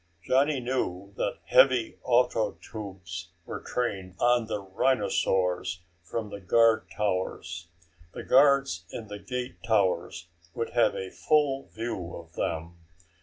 Johnny knew that heavy ato tubes were trained on the rhinosaurs from the guard towers. The guards in the gate towers would have a full view of them.